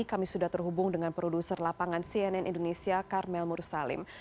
kami sudah terhubung dengan produser lapangan cnn indonesia karmel mursalim